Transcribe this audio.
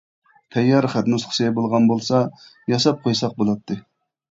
تەييار خەت نۇسخىسى بولغان بولسا ياساپ قويساق بولاتتى.